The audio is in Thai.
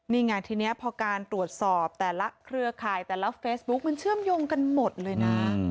นี่ไงทีนี้พอการตรวจสอบแต่ละเครือข่ายแต่ละเฟซบุ๊คมันเชื่อมโยงกันหมดเลยนะ